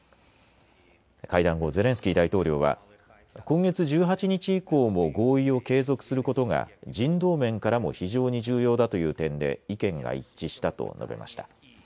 会談後、ゼレンスキー大統領は今月１８日以降も合意を継続することが人道面からも非常に重要だという点で意見が一致したと述べました。